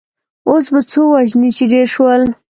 اوس به څو وژنې چې ډېر شول.